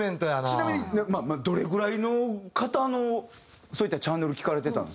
ちなみにどれぐらいの方のそういったチャンネル聴かれてたんですか？